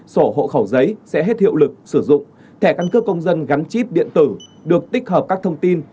sổ hộ khẩu giấy sẽ hết hiệu lực sử dụng thẻ căn cước công dân gắn chip điện tử được tích hợp các thông tin